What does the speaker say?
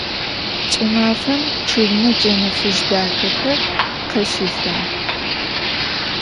Ç'ımafem ççıgme cene fıj daxexer khaşilhağ.